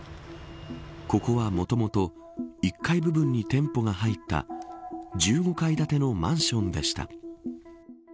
ここは、もともと１階部分に店舗が入った１５階建てのマンションでした。